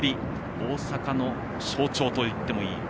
大阪の象徴といってもいい